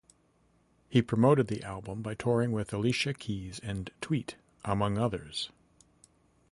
He promoted the album by touring with Alicia Keys and Tweet, among others.